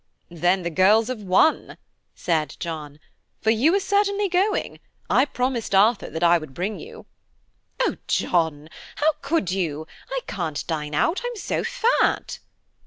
"Then the girls have won," said John, "for you are certainly going–I promised Arthur that I would bring you." "Oh, John! How could you? I can't dine out, I'm so fat."